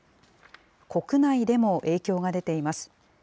国内でも影響が出ています。